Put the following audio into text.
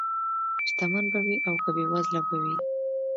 شتمن به وي او که بېوزله به وي.